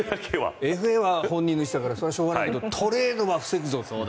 ＦＡは本人の意思だからしょうがないけどトレードは防ぐぞという。